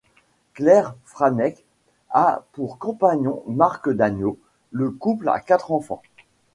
Claire Franek a pour compagnon Marc Daniau, le couple a quatre enfants.